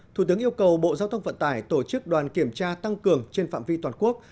thủ tướng yêu cầu bộ giao thông vận tải tổ chức đoàn kiểm tra tăng cường trên phạm vi toàn quốc